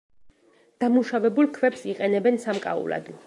დამუშავებულ ქვებს იყენებენ სამკაულად.